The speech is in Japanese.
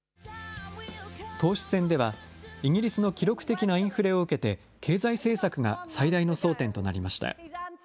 党首選では、イギリスの記録的なインフレを受けて、経済政策が最大の争点となりました。